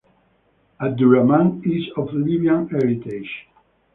Abdurrahman is of Libyan heritage.